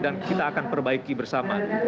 dan kita akan perbaiki bersama